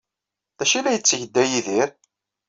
D acu ay la yetteg da Yidir?